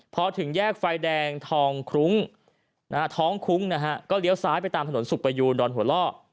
พอถึงแยกไฟแดงท้องคุ้งก็เลี้ยวซ้ายไปตามถนนสุปยูนดอนหัวเล่า